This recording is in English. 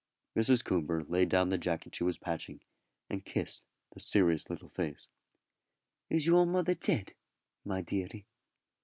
Mrs. Coomber laid down the jacket she was patching, and kissed the serious little face. "Is your mother dead, my deary?"